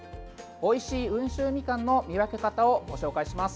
おいしい温州みかんの見分け方をご紹介します。